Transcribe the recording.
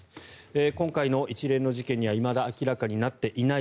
今回の一連の事件にはいまだ明らかになっていない